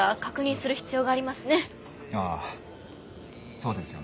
ああそうですよね。